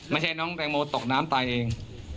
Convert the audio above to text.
ไม่ใช่น้องแตงโมตกน้ำตายเอง